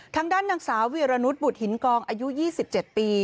ทางด้านนางสาววีรนุษบุตรหินกองอายุ๒๗ปี